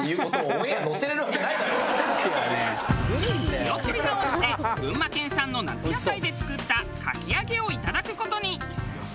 気を取り直して群馬県産の夏野菜で作ったかき揚げをいただく事に。